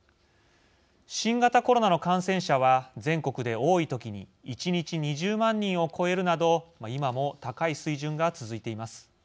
新型コロナの感染者は全国で、多い時に１日２０万人を超えるなど今も高い水準が続いています。